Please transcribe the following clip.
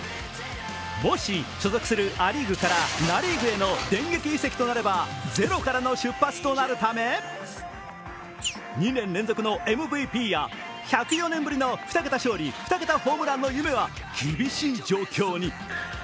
もし所属するア・リーグからナ・リーグへの電撃移籍となればゼロからの出発となるため１０４年ぶりの２桁勝利・２桁ホームランは厳しい状態に。